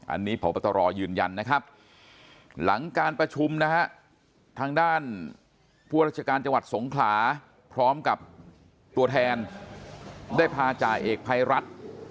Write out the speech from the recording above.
อันนี้พบตรยืนยันนะครับหลังการประชุมนะฮะทางด้านผู้ราชการจังหวัดสงขลาพร้อมกับตัวแทนได้พาจ่าเอกภัยรัฐ